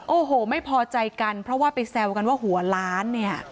โอ้โหไม่พอใจกันเพราะว่าไปแซวกันว่าหัวล้านเนี่ย